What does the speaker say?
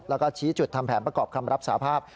แล้วก็ชี้จุดทำแผนประกอบคำรับสาภาพ